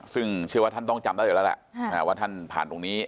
ซึ่งเชื่อว่าท่านต้องจำได้อยู่แล้วแหละว่าท่านผ่านตรงนี้